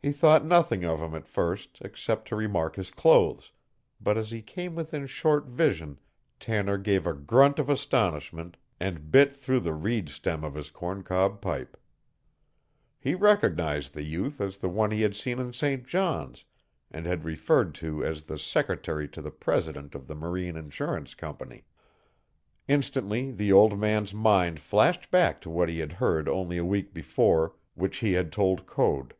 He thought nothing of him at first except to remark his clothes, but as he came within short vision Tanner gave a grunt of astonishment and bit through the reed stem of his corn cob pipe. He recognized the youth as the one he had seen in St. John's and had referred to as the secretary to the president of the Marine Insurance Company. Instantly the old man's mind flashed back to what he had heard only a week before, which he had told Code.